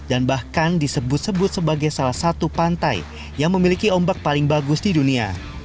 dan bahkan disebut sebut sebagai salah satu pantai yang memiliki ombak paling bagus di dunia